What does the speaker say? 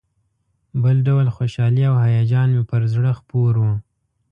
بل ډول خوشالي او هیجان مې پر زړه خپور و.